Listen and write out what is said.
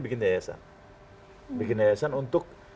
bikin yayasan bikin yayasan untuk